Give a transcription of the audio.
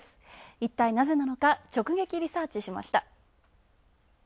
いったいなぜなのか直撃リサーチしました。